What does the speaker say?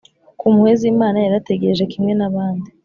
ku mpuhwe z’imana. yarategereje kimwe n’abandi